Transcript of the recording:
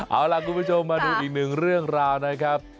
เอาล่ะคุณผู้ชมมาดูอีกหนึ่งเรื่องราวนะครับ